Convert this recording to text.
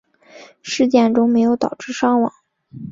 事件中没有导致伤亡。